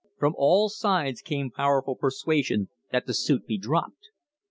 From all sides came power ful persuasion that the suit be dropped.